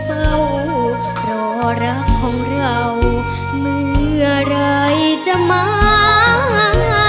เฝ้ารักของเราเมื่ออะไรจะมา